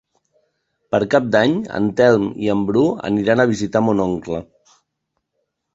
Per Cap d'Any en Telm i en Bru aniran a visitar mon oncle.